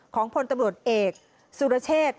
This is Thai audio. ของพลตำรวจเอกสุรเชษ